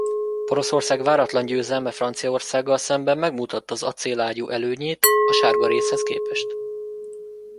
Poroszország váratlan győzelme Franciaországgal szemben megmutatta az acél ágyú előnyét a sárgarézhez képest.